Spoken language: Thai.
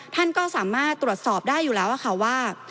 ท่านก็สามารถตรวจสอบได้อยู่แล้วค่ะว่า